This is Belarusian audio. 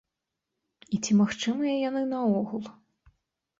І ці магчымыя яны наогул?